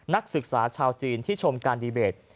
นักศึกษาชาวจีนที่ชมการดีเบต